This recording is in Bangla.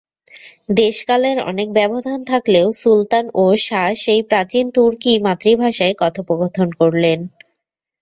দেশকালের অনেক ব্যবধান থাকলেও, সুলতান ও শা সেই প্রাচীন তুর্কী মাতৃভাষায় কথোপকথন করলেন।